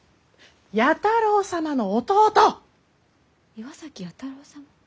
岩崎弥太郎様。